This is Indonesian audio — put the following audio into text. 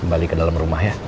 kita balik ke dalam rumah ya